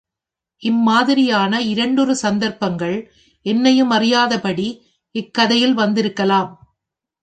இம்மாதிரியான இரண்டொரு சந்தர்ப்பங்கள் என்னையுமறியாதபடி இக்கதையில் வந்திருக்கலாம்.